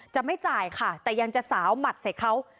จะไม่จ่ายค่ะแต่ยังจะสาวหมัดใส่เขา